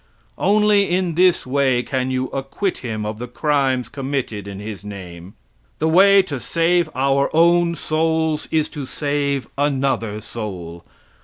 Only in this way can you acquit him of the crimes committed in His name. The way to save our own souls is to save another soul.